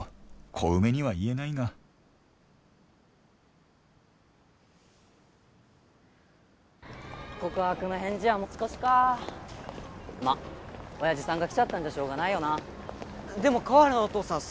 小梅には言えないが告白の返事は持ち越しかまっ親父さんが来ちゃったんじゃしょうがないよなでも川原のお父さん